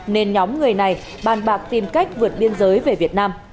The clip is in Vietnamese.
nên nhóm người này bàn bạc tìm cách vượt biên giới về việt nam